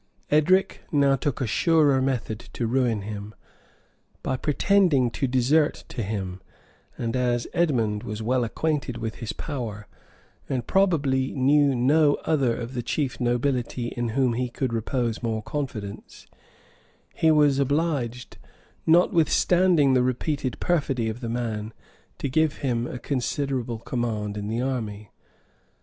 Edric now took a surer method to ruin him, by pretending to desert to him; and as Edmond was well acquainted with his power, and probably knew no other of the chief nobility in whom he could repose more confidence, he was obliged, notwithstanding the repeated perfidy of the man, to give him a considerable command in the army.